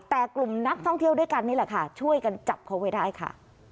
แต่กลุ่มนักท่องเที่ยวด้วยกันนี่แหละค่ะช่วยกันจับเขาไว้ได้ค่ะ